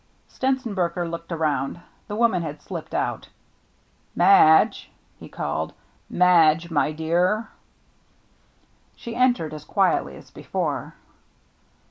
Stenzenberger looked around. The woman had slipped out. " Madge," he called ;" Madge, my dear." She entered as quietly as before.